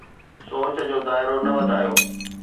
سوچ جو دائرو نه وڌايو.